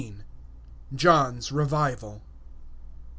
XVI. JOHN'S REVIVAL.